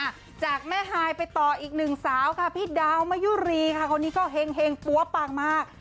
จากแม่ฮายไปต่ออีกหนึ่งสาวค่ะพี่ดาวมะยุรีค่ะคนนี้ก็เห็งปั๊วปังมาก